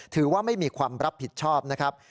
ถือว่าไม่มีความรับผิดชอบนะครับ